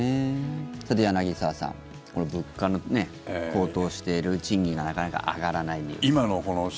さて、柳澤さん物価が高騰している賃金がなかなか上がらないニュース。